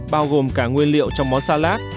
bao gồm cả nguyên liệu trong món salad